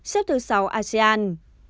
xếp thứ sáu asean